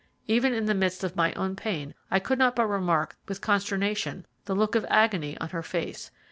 Even in the midst of my own pain I could not but remark with consternation the look of agony on her face.